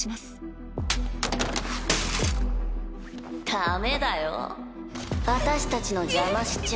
ダメだよ私たちの邪魔しちゃ。